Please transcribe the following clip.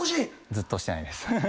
ずっとしてないです。